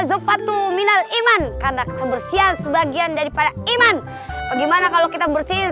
zufatu minal iman karena kebersihan sebagian daripada iman bagaimana kalau kita bersihin